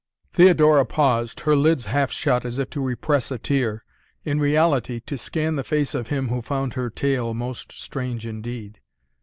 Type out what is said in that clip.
Theodora paused, her lids half shut as if to repress a tear; in reality to scan the face of him who found her tale most strange indeed.